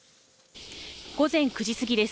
午前９時過ぎです。